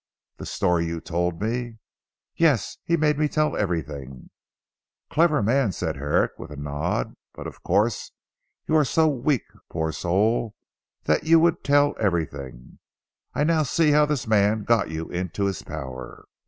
"The story you told me?" "Yes! He made me tell everything." "Clever man," said Herrick with a nod, "but of course you are so weak poor soul, that you would tell everything. I now see how this man got you into his power.